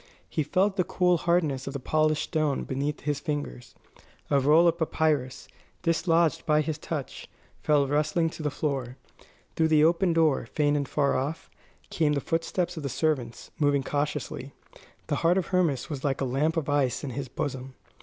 He felt the cool hardness of the polished stone beneath his fingers. A roll of papyrus, dislodged by his touch, fell rustling to the floor. Through the open door, faint and far off, came the footsteps of the servants, moving cautiously. The heart of Hermas was like a lump of ice in his bosom.